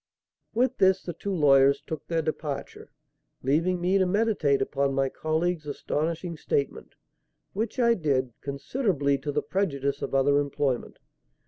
With this the two lawyers took their departure, leaving me to meditate upon my colleague's astonishing statement; which I did, considerably to the prejudice of other employment.